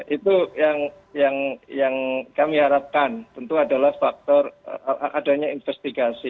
itu yang kami harapkan tentu adalah faktor adanya investigasi